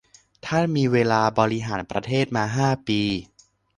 ท่านมีเวลาบริหารประเทศมา ห้า ปี